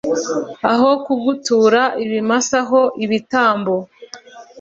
Aho kugutura ibimasa ho ibitambo,